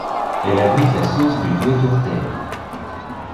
Elle abrite la source du Douet Tourtelle.